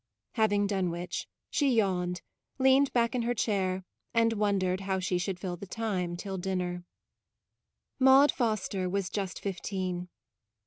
MAUDE 1 1 having done which she yawned, leaned back in her chair, and won dered how she should fill the time till dinner. Maude Foster was just fifteen.